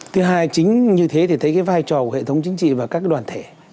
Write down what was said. thứ hai chính như thế thì thấy cái vai trò của hệ thống chính trị và các đoàn thể